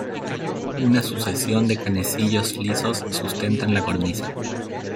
Una sucesión de canecillos lisos sustentan la cornisa.